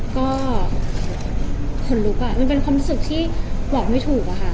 ก็ขนลุกมันเป็นความรู้สึกที่บอกไม่ถูกอะค่ะ